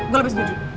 gue lebih sebut